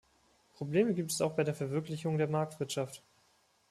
Probleme gibt es auch bei der Verwirklichung der Marktwirtschaft.